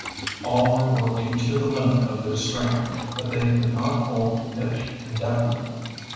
All were working to the limit of their strength, but they could not hold the pitch indefinitely.